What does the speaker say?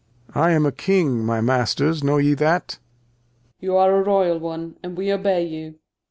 I am a King, my Masters, know ye that ? Gent.